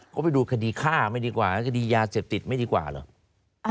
ก็ไปดูคดีฆ่าไม่ดีกว่าคดียาเสพติดไม่ดีกว่าเหรอ